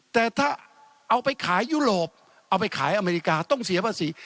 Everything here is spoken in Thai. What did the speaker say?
แต่ถ้าเอาไปขายยุโรปเอาไปขายอเมริกาต้องเสียภาษี